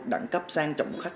đẳng cấp sang trọng của khách